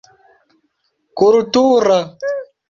kultura